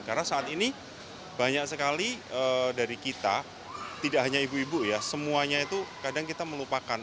karena saat ini banyak sekali dari kita tidak hanya ibu ibu ya semuanya itu kadang kita melupakan